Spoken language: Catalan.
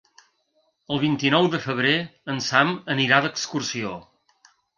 El vint-i-nou de febrer en Sam anirà d'excursió.